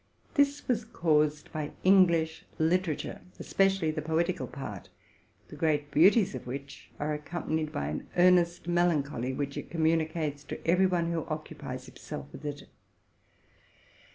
This was caused by English literature, especially the poetical part, the great beauties of which are accompanied by an earnest melancholy, RELATING TO MY LIFE. 161 which it communicates to every one who occupies himself with it.